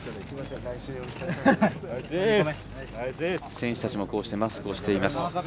選手たちもこうしてマスクしています。